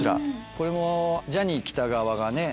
これもジャニー喜多川がね